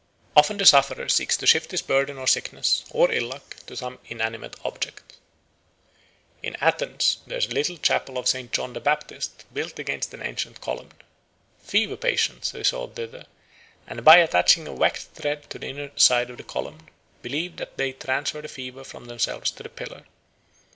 Often the sufferer seeks to shift his burden of sickness or ill luck to some inanimate object. In Athens there is a little chapel of St. John the Baptist built against an ancient column. Fever patients resort thither, and by attaching a waxed thread to the inner side of the column believe that they transfer the fever from themselves to the pillar.